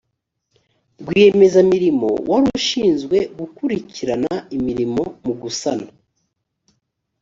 rwiyemezamirimo wari ushinzwe gukurikirana imirimo mu gusana